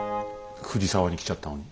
藤沢に来ちゃったのに。